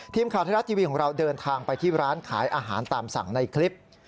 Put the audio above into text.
ทีมข่าวไทยรัฐทีวีของเราเดินทางไปที่ร้านขายอาหารตามสั่งในคลิป